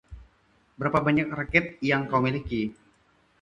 Berapa banyak raket yang kau miliki?